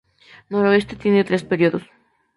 Noreste tiene tres períodos.